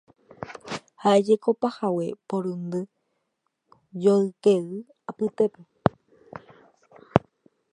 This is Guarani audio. Ha'éjeko pahague porundy joyke'y apytépe.